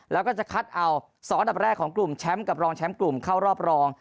แล้วก็จะคัดเอา๒อันดับแรกของกลุ่มแชมป์กับรองแชมป์กลุ่มเข้ารอบรอง